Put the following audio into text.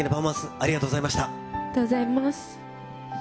ありがとうございます。